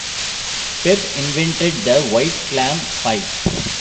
Pepe invented the white clam pie.